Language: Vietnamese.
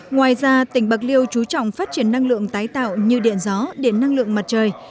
ngoài ra tỉnh bạc liêu trú trọng phát triển năng lượng tái tạo như điện gió điện năng lượng mặt trời